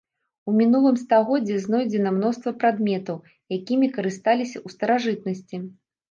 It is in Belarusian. У мінулым стагоддзі знойдзена мноства прадметаў, якімі карысталіся ў старажытнасці.